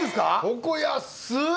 ここ安っ！